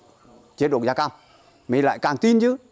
hiện nay ông bé đã được chế độc da cam mình lại càng tin chứ